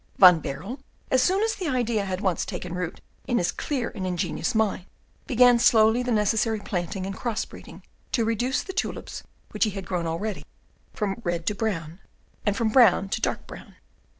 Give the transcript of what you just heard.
Van Baerle, as soon as the idea had once taken root in his clear and ingenious mind, began slowly the necessary planting and cross breeding to reduce the tulips which he had grown already from red to brown, and from brown to dark brown.